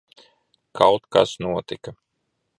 Kaut kas notika.